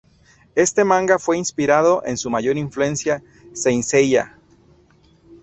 Este manga fue inspirado en su mayor influencia Saint Seiya.